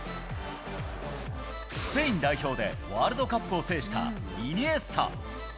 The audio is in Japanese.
スペイン代表でワールドカップを制したイニエスタ。